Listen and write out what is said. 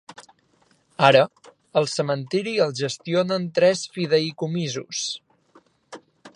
Ara, el cementiri el gestionen tres fideïcomisos.